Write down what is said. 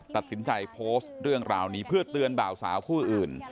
ตัดสินใจโพสต์เรื่องราวนี้เพื่อเตือนบ่าวสาวคู่อื่น